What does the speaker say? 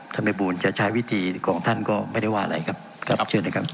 ภัยบูลจะใช้วิธีของท่านก็ไม่ได้ว่าอะไรครับครับเชิญนะครับ